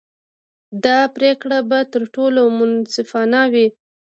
دا پرېکړه به تر ټولو منصفانه وي.